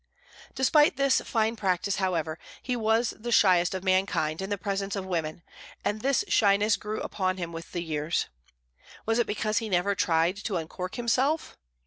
Despite this fine practice, however, he was the shyest of mankind in the presence of women, and this shyness grew upon him with the years. Was it because he never tried to uncork himself?